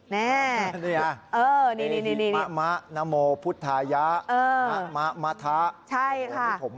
นี่มามานโมพุทธายะมามาทะ